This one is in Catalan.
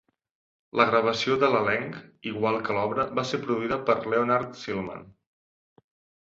La gravació de l'elenc, igual que l'obra, va ser produïda per Leonard Sillman.